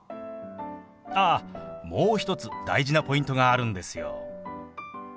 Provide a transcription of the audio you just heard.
あっもう一つ大事なポイントがあるんですよ。